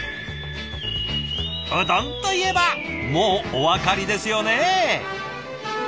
うどんといえばもうお分かりですよね？